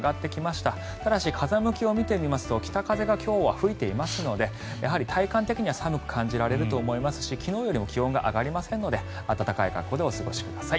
ただし風向きを見てみますと北風が今日は吹いていますのでやはり、体感的には寒く感じられると思いますし昨日よりも気温が上がりませんので暖かい格好でお過ごしください。